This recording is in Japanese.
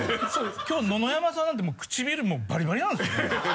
きょう野々山さんなんて唇もうバリバリなんですよ。